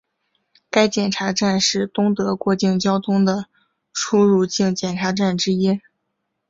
该检查站是东德过境交通的出入境检查站之一。